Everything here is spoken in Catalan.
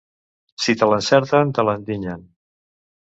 Si te l'encerten, te l'endinyen.